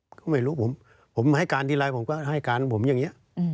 ก็ไม่รู้ผมให้การทีไรผมก็ให้การของผมอย่างนี้